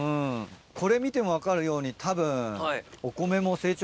これ見ても分かるようにたぶん。